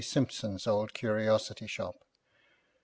Simpson's old curiosity shop.